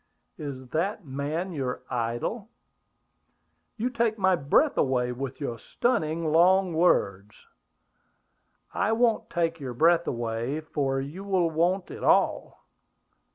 "Is that man your idol?" "You take my breath away with your stunning long words!" "I won't take your breath away, for you will want it all.